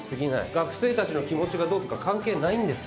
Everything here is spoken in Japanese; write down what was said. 学生たちの気持ちがどうとか関係ないんですよ。